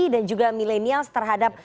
dan juga milenial terhadap